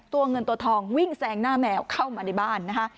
ตัวเงินตัวทองวิ่งแซงหน้าแมวเข้ามาในบ้านนะคะ